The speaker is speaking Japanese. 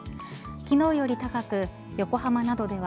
昨日より高く横浜などでは